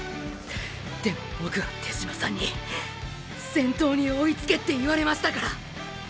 でもボクは手嶋さんに先頭に追いつけって言われましたから。